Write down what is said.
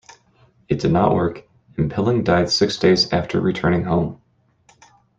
It did not work, and Pilling died six days after returning home.